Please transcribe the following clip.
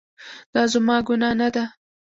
دا زما ګناه نه ده